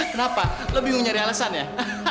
kenapa lo bingung nyari alesan ya